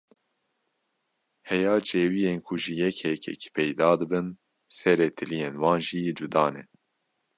Heya cêwiyên ku ji yek hêkekî peyda dibin, serê tiliyên wan jî cuda ne!